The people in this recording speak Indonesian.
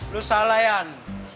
lu salah ian